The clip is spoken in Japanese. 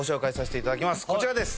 こちらです！